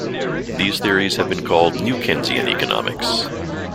These theories have been called new Keynesian economics.